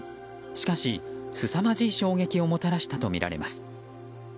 しかし、すさまじい衝撃をもたらしたとみられます。